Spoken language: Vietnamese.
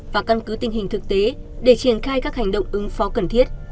và căn cứ tình hình thực tế để triển khai các hành động ứng phó cần thiết